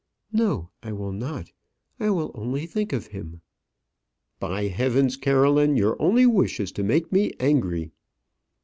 "No, I will not. I will only think of him." "By heavens! Caroline, your only wish is to make me angry."